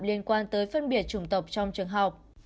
liên quan tới phân biệt chủng tộc trong trường học